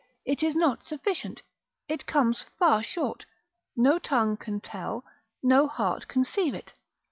it is not sufficient, it comes far short, no tongue can tell, no heart conceive it.